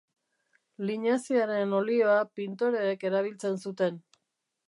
Linaziaren olioa pintoreek erabiltzen zuten.